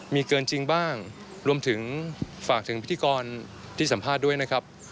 มีเกินจริงบ้างรวมถึงฝากถึงพิธีกรที่สัมภาษณ์ด้วยนะครับ